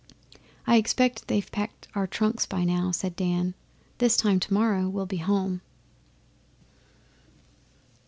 'I expect they've packed our trunks by now,' said Dan. 'This time tomorrow we'll be home.